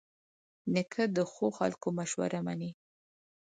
نیکه د ښو خلکو مشوره منې.